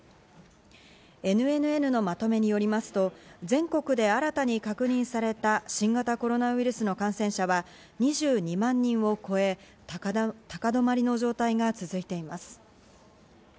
ＮＮＮのまとめによりますと、全国で新たに確認された新型コロナウイルスの感染者は２２万人を超え、高止まりの状態が続いています。